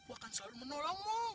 aku akan selalu menolongmu